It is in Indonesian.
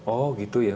oh gitu ya